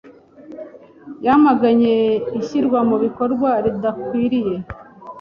yamaganye ishyirwa mu bikorwa ridakwiriye